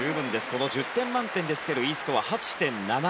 この１０点満点でつけるＥスコア８．７６６。